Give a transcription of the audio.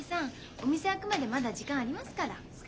お店開くまでまだ時間ありますから。